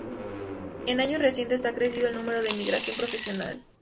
En años recientes ha crecido el número de emigración profesional.